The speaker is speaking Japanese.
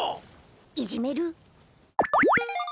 いぢめる？